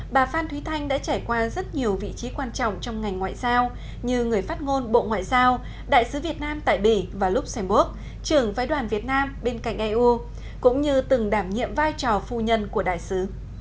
bà phan thúy thanh đã trải qua rất nhiều vị trí quan trọng trong ngành ngoại giao như người phát ngôn bộ ngoại giao đại sứ việt nam tại bỉ và luxembourg trưởng phái đoàn việt nam bên cạnh eu cũng như từng đảm nhiệm vai trò phu nhân của đại sứ